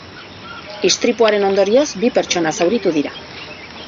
Istripuaren ondorioz, bi pertsona zauritu dira.